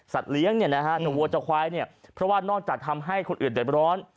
เลี้ยงเนี่ยนะฮะแต่วัวจะควายเนี่ยเพราะว่านอกจากทำให้คนอื่นเดือดร้อน